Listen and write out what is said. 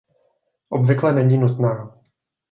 Obvykle není nutná.